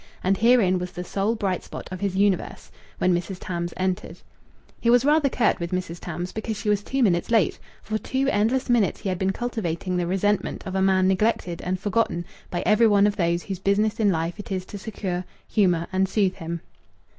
And herein was the sole bright spot of his universe when Mrs. Tams entered. He was rather curt with Mrs. Tams because she was two minutes late; for two endless minutes he had been cultivating the resentment of a man neglected and forgotten by every one of those whose business in life it is to succour, humour, and soothe him.